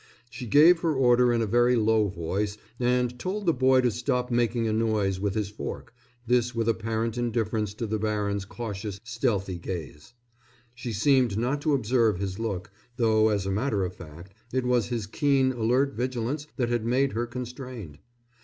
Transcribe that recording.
She gave her order in a very low voice and told the boy to stop making a noise with his fork, this with apparent indifference to the baron's cautious, stealthy gaze. She seemed not to observe his look, though, as a matter of fact, it was his keen, alert vigilance that had made her constrained.